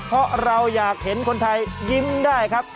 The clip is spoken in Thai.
เพราะเราอยากเห็นคนไทยยิ้มได้ครับ